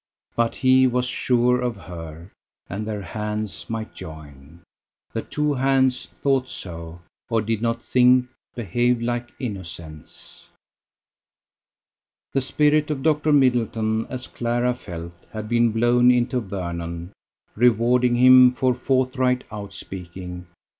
But he was sure of her. And their hands might join. The two hands thought so, or did not think, behaved like innocents. The spirit of Dr. Middleton, as Clara felt, had been blown into Vernon, rewarding him for forthright outspeaking.